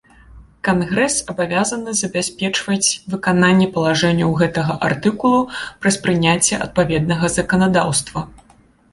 Кангрэс абавязаны забяспечваць выкананне палажэнняў гэтага артыкулу праз прыняцце адпаведнага заканадаўства.